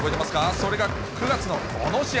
それが９月のこの試合。